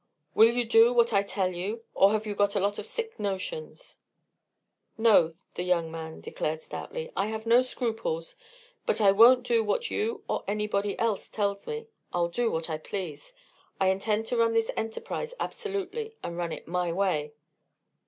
"Will you do what I tell you, or have you got a lot of sick notions?" "No," the young man declared, stoutly, "I have no scruples; but I won't do what you or anybody else tells me. I'll do what I please. I intend to run this enterprise absolutely, and run it my way."